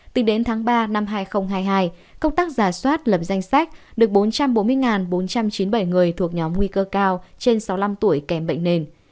tính đến tháng ba năm hai nghìn hai mươi hai công tác giả soát lập danh sách được bốn trăm bốn mươi bốn trăm chín mươi bảy người thuộc nhóm nguy cơ cao trên sáu mươi năm tuổi kèm bệnh nền